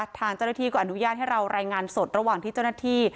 ทางเจ้าหน้าที่ก็อนุญาตให้เรารายงานสดระหว่างที่เจ้าหน้าที่